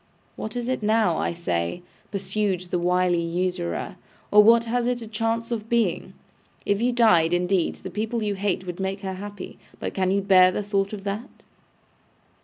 'What is it now, I say,' pursued the wily usurer, 'or what has it a chance of being? If you died, indeed, the people you hate would make her happy. But can you bear the thought of that?